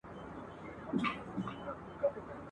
دوی ګومان کوي پر ټول جهان تیاره ده !.